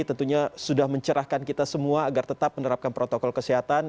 tentunya sudah mencerahkan kita semua agar tetap menerapkan protokol kesehatan